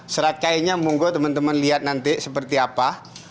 seragamnya munggu teman teman lihat nanti seperti apa